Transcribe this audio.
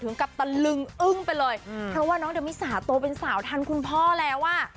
กับตะลึงอึ้งไปเลยเพราะว่าน้องเดมิสาโตเป็นสาวทันคุณพ่อแล้วอ่ะ